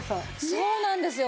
そうなんですよ。